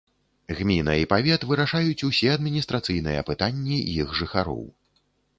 Гміна і павет вырашаюць усе адміністрацыйныя пытанні іх жыхароў.